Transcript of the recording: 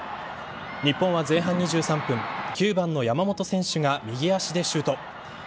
日本は前半２３分９番の山本選手が右足でシュート。